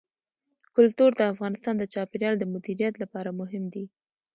کلتور د افغانستان د چاپیریال د مدیریت لپاره مهم دي.